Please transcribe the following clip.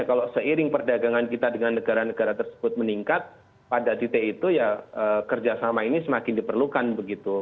kalau seiring perdagangan kita dengan negara negara tersebut meningkat pada titik itu ya kerjasama ini semakin diperlukan begitu